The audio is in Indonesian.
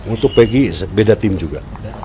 untuk pergi beda tim juga